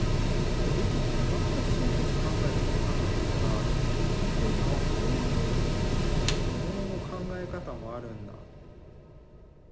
僕って全くそういうとこ考えたことなかったから本当にああこういうものの考え方もあるんだ。